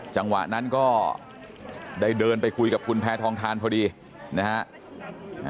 จังหวะนั้นก็ได้เดินไปคุยกับคุณแพทองทานพอดีนะฮะ